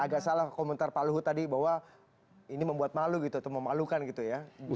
jadi agak salah komentar pak luhut tadi bahwa ini membuat malu gitu atau memalukan gitu ya